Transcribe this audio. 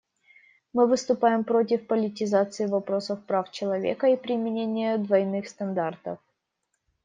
Мы выступаем против политизации вопросов прав человека и применения двойных стандартов.